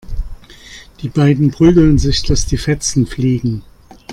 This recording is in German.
Die beiden prügeln sich, dass die Fetzen fliegen.